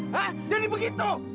hah hah jadi begitu